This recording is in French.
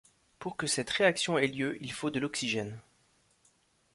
Pour que cette réaction ait lieu, il faut de l'oxygène.